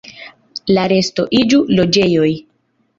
La resto iĝu loĝejoj.